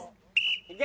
いけ！